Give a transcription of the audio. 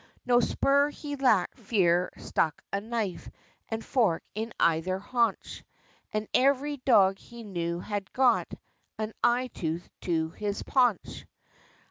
No spur he lacked, fear stuck a knife And fork in either haunch; And every dog he knew had got An eye tooth to his paunch!